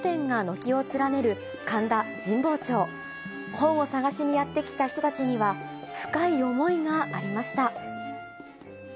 本を探しにやって来た人たちには、深い思いがありました。